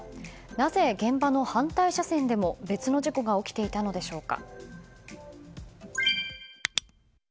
なぜ現場の反対車線でも別の事故が起きていたのでしょうか。